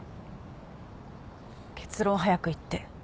結論を早く言って。